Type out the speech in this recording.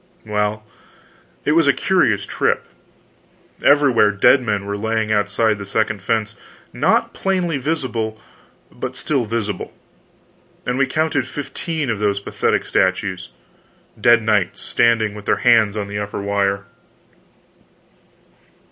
Well, it was a curious trip. Everywhere dead men were lying outside the second fence not plainly visible, but still visible; and we counted fifteen of those pathetic statues dead knights standing with their hands on the upper wire.